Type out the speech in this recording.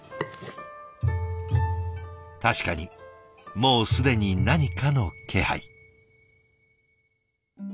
確かにもうすでに何かの気配。